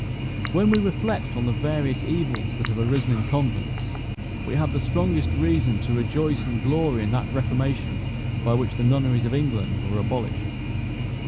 When we reflect on the various evils that have arisen in convents, we have the strongest reason to rejoice and glory in that reformation by which the nunneries of England were abolished.